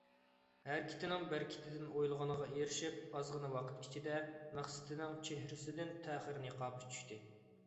ھەرىكىتىنىڭ بەرىكىتىدىن ئويلىغىنىغا ئېرىشىپ، ئازغىنا ۋاقىت ئىچىدە، مەقسىتىنىڭ چېھرىسىدىن تەخىر نىقابى چۈشتى.